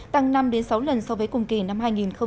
tăng năm sáu lần so với cùng kỳ năm hai nghìn một mươi tám